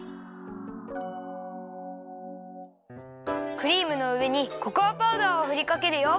クリームのうえにココアパウダーをふりかけるよ。